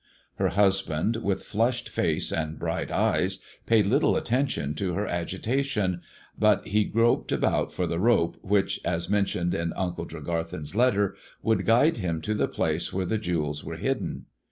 Her husband, with flushed face and bright eyes, paid little attention to her agitation, but he groped about for the rope, which, as mentioned in Uncle Tregarthen's letter, would guide him to the place where the jewels were hidden.